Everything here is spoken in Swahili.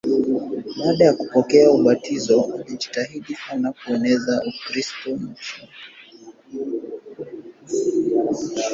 Baada ya kupokea ubatizo alijitahidi sana kueneza Ukristo nchini.